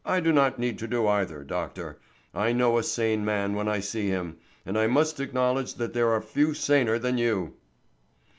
"I do not need to do either, doctor. I know a sane man when I see him, and I must acknowledge that there are few saner than you."